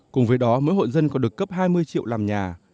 cùng với đó mỗi hộ dân còn được cấp hai mươi triệu làm nhà